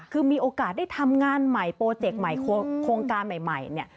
คือมีโอกาสได้ทำงานใหม่โปรเจกต์ใหม่โครงการใหม่เนี่ย